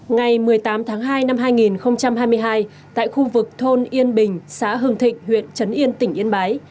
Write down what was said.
ngày một mươi tám tháng hai năm hai nghìn hai mươi hai tại khu vực thôn yên bình xã hưng thịnh huyện trấn yên tỉnh yên bái